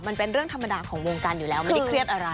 มันเป็นเรื่องธรรมดาของวงการอยู่แล้วไม่ได้เครียดอะไร